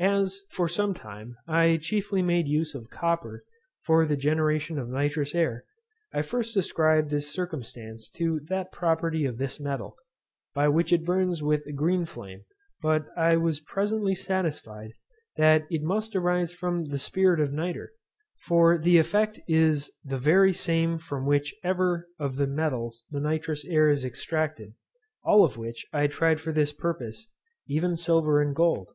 As, for some time, I chiefly made use of copper for the generation of nitrous air, I first ascribed this circumstance to that property of this metal, by which it burns with a green flame; but I was presently satisfied that it must arise from the spirit of nitre, for the effect is the very same from which ever of the metals the nitrous air is extracted, all of which I tried for this purpose, even silver and gold.